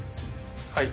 はい。